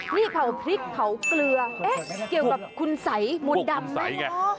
นี่เผาพริกเผาเกลือเกี่ยวกับคุณสัยหมวนดำไม่เหรอ